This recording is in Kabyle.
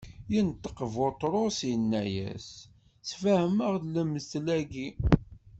Inṭeq Buṭrus, inna-as: Sefhem-aɣ-d lemtel-agi.